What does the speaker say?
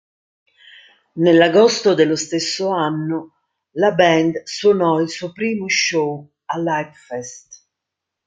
Nell'agosto dello stesso anno la band suonò il suo primo show all'Hypefest.